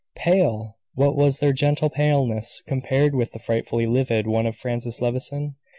Pale! What was their gentle paleness compared with the frightfully livid one of Francis Levison?